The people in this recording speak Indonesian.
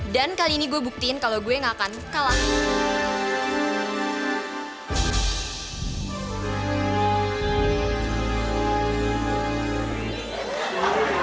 dan kali ini gue buktiin kalau gue gak akan kalah